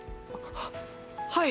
はい！